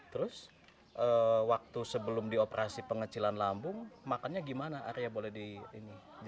terus waktu sebelum dioperasi pengecilan lambung makannya gimana arya boleh dijelaskan